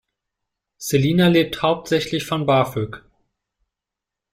Selina lebt hauptsächlich von BAföG.